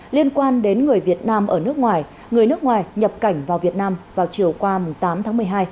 liên quan đến người việt nam ở nước ngoài người nước ngoài nhập cảnh vào việt nam vào chiều qua tám tháng một mươi hai